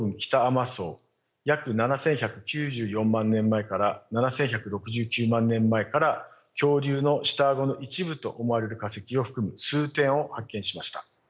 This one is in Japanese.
約７，１９４万年前から７，１６９万年前から恐竜の下顎の一部と思われる化石を含む数点を発見しました。